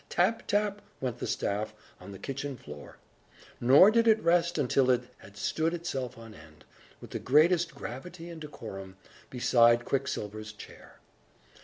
Tap, tap, went the staff, on the kitchen floor; nor did it rest until it had stood itself on end, with the greatest gravity and decorum, beside Quicksilver's chair.